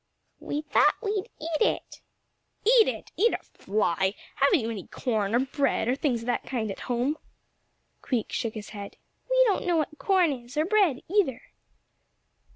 "We thought we'd eat it." "Eat it! Eat a fly? Haven't you any corn or bread or things of that kind at home?" Queek shook his head. "We don't know what corn is, or bread either."